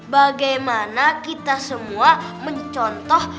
bagaimana kita semua mencontoh